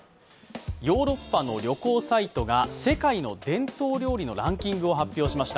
ヨーロッパの旅行サイトが世界の伝統料理のランキングを発表しました。